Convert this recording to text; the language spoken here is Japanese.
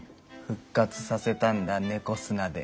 復活させたんだ猫砂で。